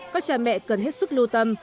các cha mẹ cần hết sức lưu tâm